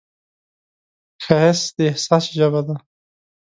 ښایست د احساس ژبه ده